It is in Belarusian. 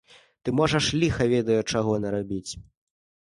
Ты можаш ліха ведае чаго нарабіць.